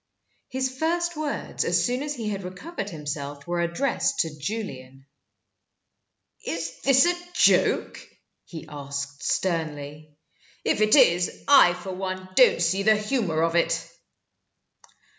His first words, as soon as he had recovered himself, were addressed to Julian. "Is this a joke?" he asked, sternly. "If it is, I for one don't see the humor of it."